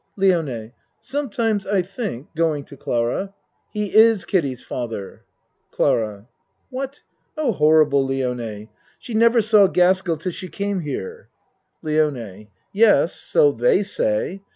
LIONE Sometimes I think (Going to Clara.) he is Kiddie's father. CLARA What? Oh, horrible, Lione. She nev er saw Gaskell till she came here. LIONE Yes, so they say.